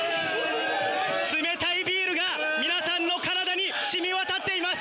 冷たいビールが、皆さんの体にしみわたっています。